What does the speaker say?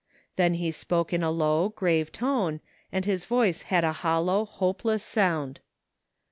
Then he spoke in a low, grave tone; and his voice had a hollow, hopeless sound.